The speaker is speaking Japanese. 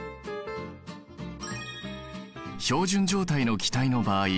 標準状態の気体の場合